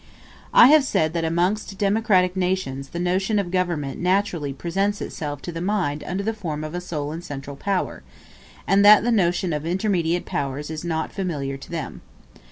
I have said that amongst democratic nations the notion of government naturally presents itself to the mind under the form of a sole and central power, and that the notion of intermediate powers is not familiar to them.